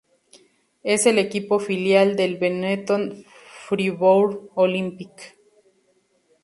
Es el equipo filial del Benetton Fribourg Olympic.